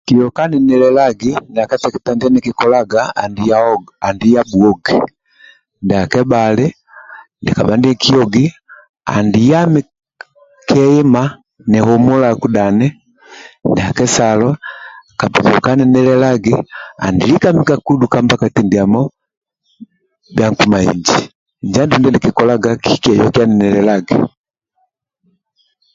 Kioka ninilelagi ndia kateketa ndinikikolaga ali bhuogi ndia kebhali andi yami keima nihumulaku dhani ndia kesalo kihinuka ninilelagi andi likami ka kudhu ka mbakati ndiamo bhia nkuma inji injo andulu ndikikolaga kieyokia ninilelagi.